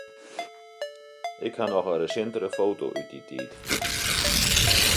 Ik haw noch in resintere foto út dy tiid.